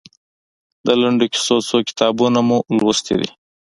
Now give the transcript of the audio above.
د لنډو کیسو څو کتابونه مو لوستي دي؟